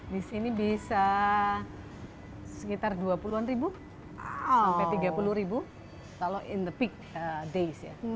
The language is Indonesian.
di sini bisa sekitar dua puluh an ribu sampai tiga puluh kalau in the peak days ya